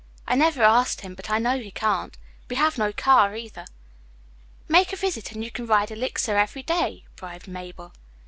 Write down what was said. I've never asked him, but I know he can't. We have no car either." "Make me a visit and you can ride Elixir every day," bribed Mabel.